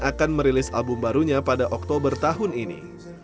akan merilis album barunya pada oktober tahun ini